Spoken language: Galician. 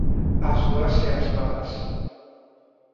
As boas e as malas.